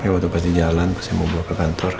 waktu pas di jalan pas saya mau bawa ke kantor